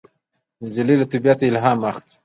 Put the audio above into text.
نجلۍ له طبیعته الهام اخلي.